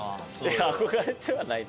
いや憧れてはない。